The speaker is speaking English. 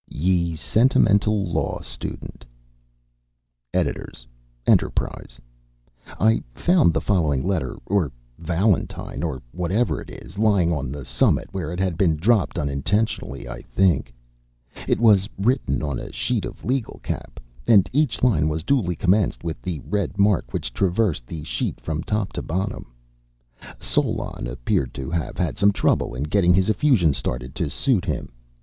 YE SENTIMENTAL LAW STUDENT EDS. ENTERPRISE I found the following letter, or Valentine, or whatever it is, lying on the summit, where it had been dropped unintentionally, I think. It was written on a sheet of legal cap, and each line was duly commenced within the red mark which traversed the sheet from top to bottom. Solon appeared to have had some trouble getting his effusion started to suit him.